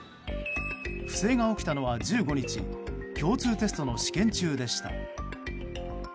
不正が起きたのは１５日共通テストの試験中でした。